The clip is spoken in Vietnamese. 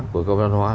của cơ quan văn hóa